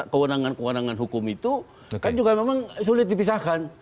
kewenangan kewenangan hukum itu kan juga memang sulit dipisahkan